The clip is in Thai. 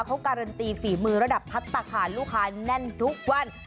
เขาการันตีฝีมือระดับพัฒนาคารลูกค้าแน่นทุกวัน